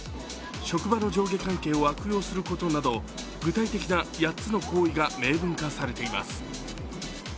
職場の上下関係を悪用することなど具体的な８つの行為が明文化されています。